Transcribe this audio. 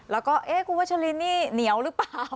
แล้วก็เอ๊ะคุณวัชลินนี่เหนียวหรือเปล่า